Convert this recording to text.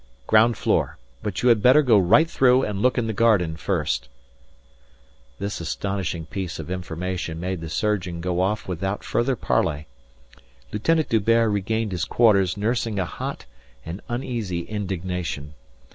"Ground floor. But you had better go right through and look in the garden first." This astonishing piece of information made the surgeon go off without further parley. Lieutenant D'Hubert regained his quarters nursing a hot and uneasy indignation.